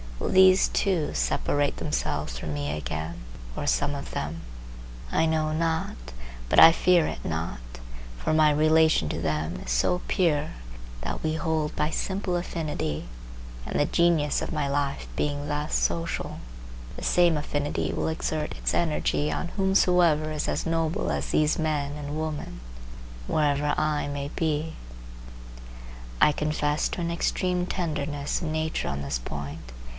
Will these too separate themselves from me again, or some of them? I know not, but I fear it not; for my relation to them is so pure, that we hold by simple affinity, and the Genius of my life being thus social, the same affinity will exert its energy on whomsoever is as noble as these men and women, wherever I may be. I confess to an extreme tenderness of nature on this point.